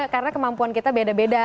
karena kemampuan kita beda beda